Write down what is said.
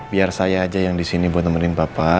biar saya aja yang disini mau nemenin papa